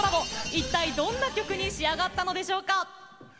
一体、どんな曲に仕上がったんでしょうか。